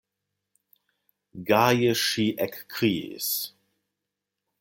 Gaje ŝi ekkriis: